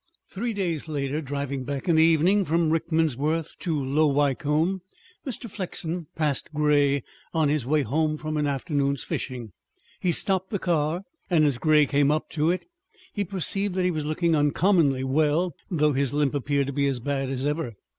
Three days later, driving back in the evening from Rickmansworth to Low Wycombe, Mr. Flexen passed Grey on his way home from an afternoon's fishing. He stopped the car, and as Grey came up to it he perceived that he was looking uncommonly well, though his limp appeared to be as bad as ever.